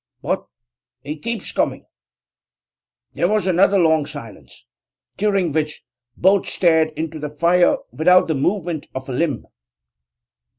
'But he keeps coming!' There was another long silence, during which both stared into the fire without the movement of a limb.